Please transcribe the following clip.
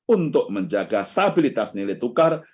untuk menjaga stabilitas nilai tukar